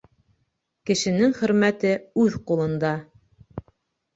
Кешенең хөрмәте үҙ ҡулында